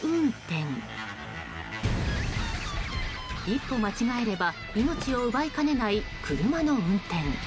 一歩間違えれば命を奪いかねない車の運転。